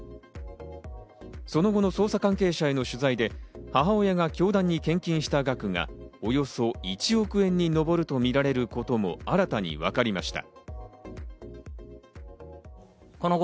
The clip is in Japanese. その後の捜査関係者への取材で母親が教団に献金した額がおよそ１億円に上るとみられることも新たに分かりました。